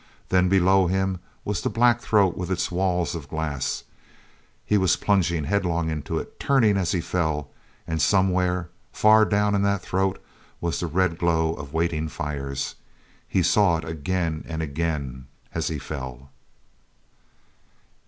Then below him was the black throat with its walls of glass: he was plunging headlong into it, turning as he fell—and somewhere, far down in that throat, was the red glow of waiting fires. He saw it again and again as he fell....